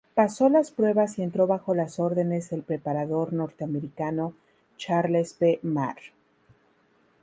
Pasó las pruebas y entró bajo las órdenes del preparador norteamericano Charles B. Marr.